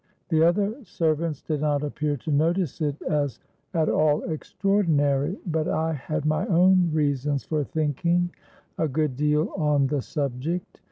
The other servants did not appear to notice it as at all extraordinary; but I had my own reasons for thinking a good deal on the subject.